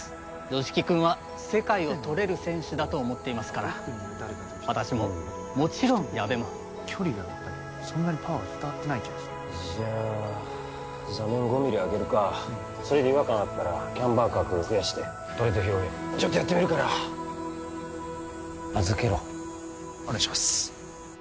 吉木君は世界をとれる選手だと思っていますから私ももちろん矢部も距離がやっぱりそんなにパワーが伝わってない気がしてじゃあ座面５ミリ上げるかうんそれで違和感あったらキャンバー角増やしてトレッド広げようちょっとやってみるから預けろお願いします